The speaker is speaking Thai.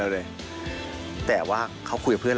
ก็เลยหลังจากนั้นก็เลยได้สืบ